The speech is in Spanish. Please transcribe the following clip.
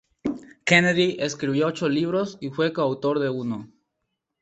Kennedy escribió ocho libros y fue coautor de uno.